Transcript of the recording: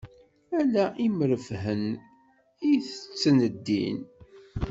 Ala imreffhen i itetten din.